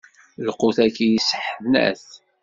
Lqut-agi isseḥnat.